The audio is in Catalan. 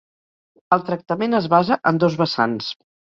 El tractament es basa en dos vessants.